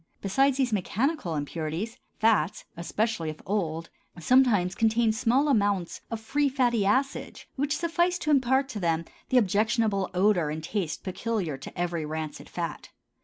Besides these mechanical impurities, fats, especially if old, sometimes contain small amounts of free fatty acids which suffice to impart to them the objectionable odor and taste peculiar to every rancid fat.